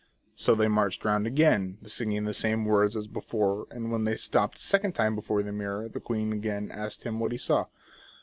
So they marched round again, singing the same words as before, and when they stopped a second time before the mirror the queen again asked him what he saw?